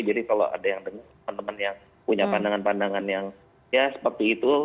jadi kalau ada yang punya pandangan pandangan yang seperti itu